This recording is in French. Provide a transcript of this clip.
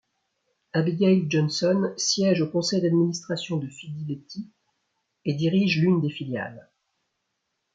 Abigail Johnson siège au conseil d'administration de Fidelity et dirige l'une des filiales.